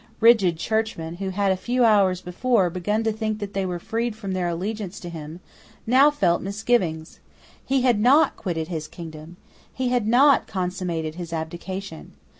Rigid Churchmen, who had, a few hours before, begun to think that they were freed from their allegiance to him, now felt misgivings. He had not quitted his kingdom. He had not consummated his abdication.